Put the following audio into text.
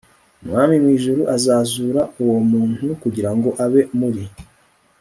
umwami mu ijuru azazura uwo muntu kugira ngo abe muri